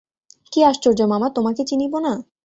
কী আশ্চর্য মামা, তোমাকে চিনিব না!